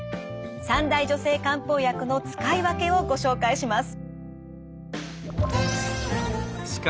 三大女性漢方薬の使い分けをご紹介します。